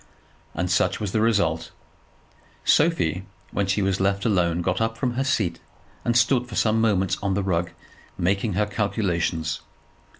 And such was the result. Sophie, when she was left alone, got up from her seat, and stood for some moments on the rug, making her calculations.